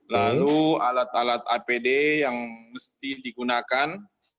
lalu alat alat apd yang mesti digunakan